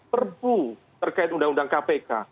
perbu terkait undang undang kpk